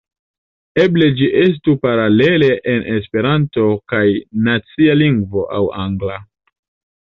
Eble ĝi estu paralele en Esperanto kaj nacia lingvo aŭ angla.